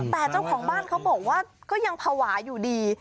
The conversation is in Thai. แต่เจ้าของบ้านเขาบอกว่าก็ยังภาวะอยู่ดี